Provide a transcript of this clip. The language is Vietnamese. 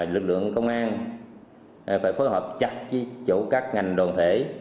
lực lượng công an phải phối hợp chặt với chỗ các ngành đoàn thể